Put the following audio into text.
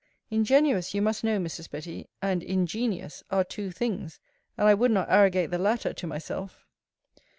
Ingenuous, you must know, Mrs. Betty, and ingenious, are two things; and I would not arrogate the latter to myself.